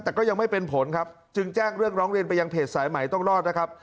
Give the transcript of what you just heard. แต่ก็ยังไม่เป็นผลครับจึงแจ้งเรื่องร้องเรียนไปยังเพจสายใหม่ต้องรอดนะครับ